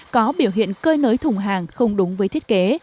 có biểu hiện cơi nới thùng hàng không đúng với thiết kế